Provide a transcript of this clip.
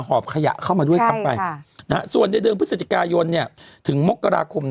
หอบขยะเข้ามาด้วยซ้ำไปส่วนในเดือนพฤศจิกายนถึงมกราคม